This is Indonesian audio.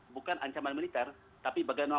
bukan ancaman militer tapi bagaimana